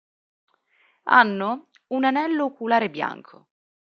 Hanno un anello oculare bianco.